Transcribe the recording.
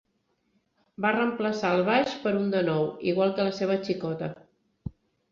Va reemplaçar el baix per un de nou, igual que la seva xicota.